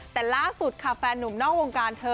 แต่ล่าสุดค่ะแฟนนุ่มนอกวงการเธอ